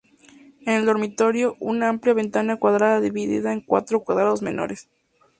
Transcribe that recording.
En el dormitorio, una amplia ventana cuadrada dividida en cuatro cuadrados menores.